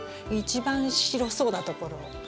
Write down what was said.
一番白そうなところを。